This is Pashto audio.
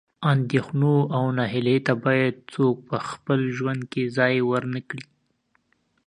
اندېښنو او نهیلۍ ته باید څوک په خپل ژوند کې ځای ورنه کړي.